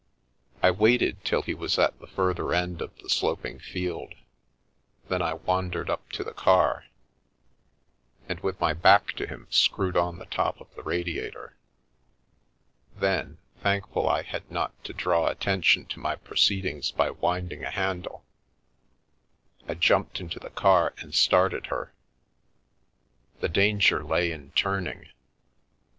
I waited till he was at the further end of the sloping field, then I wandered up to the car, and with my back to him screwed on the top of the radiator ; then, thank ful I had not to draw attention to my proceedings by winding a handle, I jumped into the car and started her. The danger lay in turning.